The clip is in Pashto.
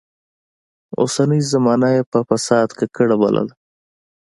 اوسنۍ زمانه يې په فساد ککړه بلله.